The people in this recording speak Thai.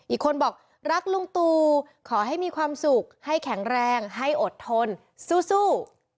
อีกคนบอกรักลุงตูขอให้มีความสุขให้แข็งแรงให้อดทนสู้